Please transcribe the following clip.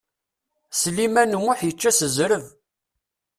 Sliman U Muḥ yečča s zreb.